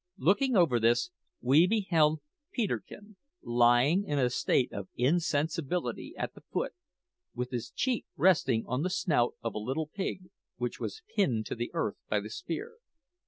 Looking over this, we beheld Peterkin lying in a state of insensibility at the foot, with his cheek resting on the snout of a little pig, which was pinned to the earth by the spear.